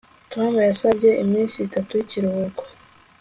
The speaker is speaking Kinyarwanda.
Tom yasabye iminsi itatu yikiruhuko